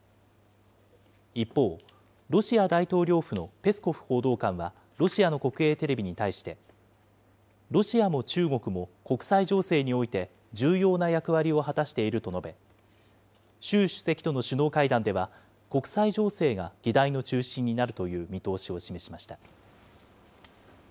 一方、ロシア大統領府のペスコフ報道官は、ロシアの国営テレビに対して、ロシアも中国も国際情勢において重要な役割を果たしていると述べ、習主席との首脳会談では国際情勢が議題の中心になるという見通しを示しました。